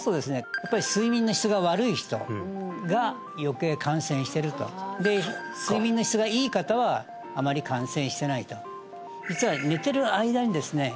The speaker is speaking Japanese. やっぱり睡眠の質が悪い人が余計感染してるとで睡眠の質がいい方はあまり感染してないと実は寝てる間にですね